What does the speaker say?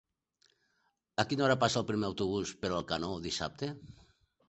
A quina hora passa el primer autobús per Alcanó dissabte?